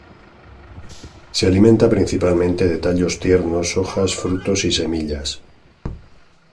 Se alimenta principalmente de tallos tiernos, hojas, frutos y semillas.